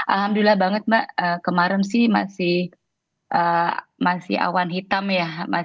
alhamdulillah banget mbak kemarin sih masih awan hitam ya